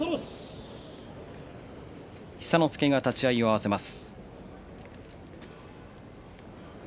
寿之介が立ち合いを合わせます。